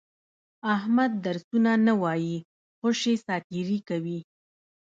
احمد درسونه نه وایي، خوشې ساتېري کوي.